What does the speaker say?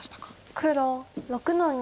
黒６の二。